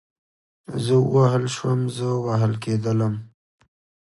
زه ووهل شوم, زه وهل کېدلم